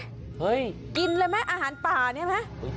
เฮ้ยกินเลยมั้ยอาหารป่าเนี่ยมั้ย